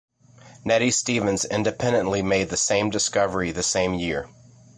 Nettie Stevens independently made the same discovery the same year.